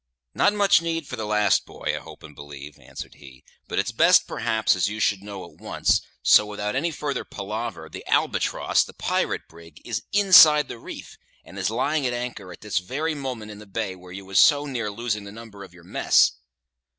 "Not much need for the last, boy, I hope and believe," answered he, "but it's best perhaps as you should know at once so, without any further palaver, the Albatross, the pirate brig, is inside the reef, and is lying at anchor at this very moment in the bay where you was so near losing the number of your mess."